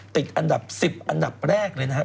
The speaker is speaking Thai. ติดอันดับ๑๐อันดับแรกเลยนะครับ